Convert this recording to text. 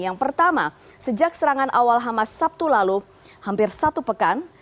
yang pertama sejak serangan awal hamas sabtu lalu hampir satu pekan